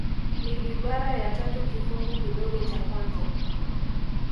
Ni ibara ya tatu kifungu kidogo cha kwanza